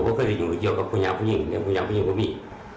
มันค่อยอยู่เรื่องคุณไม่ย่างผู้หญิงคุณย่างผู้หญิงเองมี